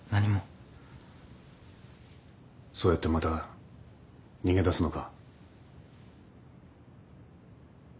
そうやってまた逃げ出すのか？